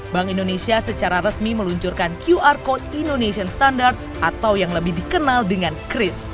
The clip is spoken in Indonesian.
bank indonesia secara resmi meluncurkan qr code indonesian standard atau yang lebih dikenal dengan kris